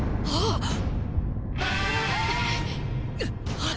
あっ！